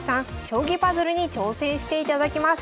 将棋パズルに挑戦していただきます